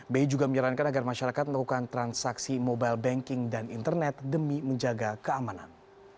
bi juga menyarankan agar masyarakat melakukan transaksi mobile banking dan internet demi menjaga keamanan